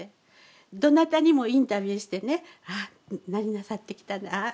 どなたにもインタビューしてねああ何なさってきたああ